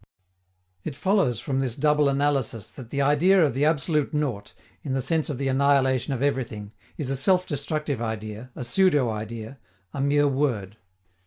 It follows from this double analysis that the idea of the absolute nought, in the sense of the annihilation of everything, is a self destructive idea, a pseudo idea, a mere word.